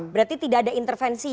berarti tidak ada intervensi